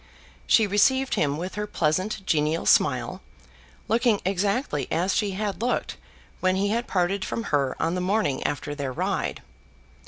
She received him with her pleasant genial smile, looking exactly as she had looked when he had parted from her on the morning after their ride.